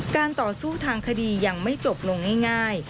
ต่อสู้ทางคดียังไม่จบลงง่าย